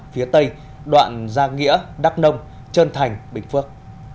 phía tây đoạn giang nghĩa đắk nông trân thành bình phước